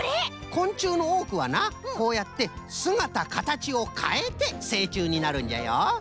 こんちゅうのおおくはなこうやってすがたかたちをかえてせいちゅうになるんじゃよ。